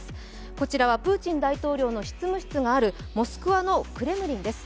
こちらはプーチン大統領の執務室があるモスクワのクレムリンです。